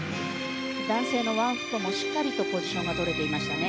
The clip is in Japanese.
男性のワンフットもしっかりとポジションが取れていましたね。